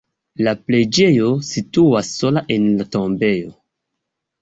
La preĝejo situas sola en la tombejo.